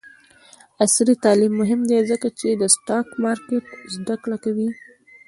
عصري تعلیم مهم دی ځکه چې د سټاک مارکیټ زدکړه کوي.